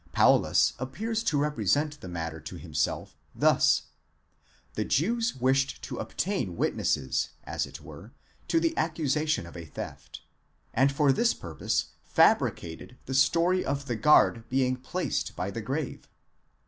Paulus. appears to represent the matter to himself thus: the Jews wished to obtain witnesses as it were to the accusation of a theft, and for this purpose fabricated the story of the guard being placed by the grave.